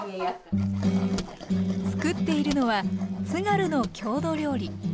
つくっているのは津軽の郷土料理。